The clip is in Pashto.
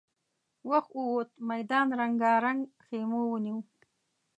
وخت ووت، ميدان رنګارنګ خيمو ونيو.